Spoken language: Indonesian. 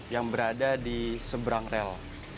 yang berada di seberang rel